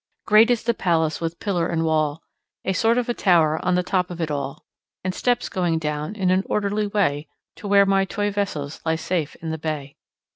Great is the palace with pillar and wall, A sort of a tower on the top of it all, And steps coming down in an orderly way To where my toy vessels lie safe in the bay.